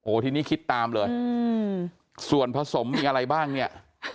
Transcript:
ทีนี้คิดตามเลยส่วนผสมมีอะไรบ้างเนี่ย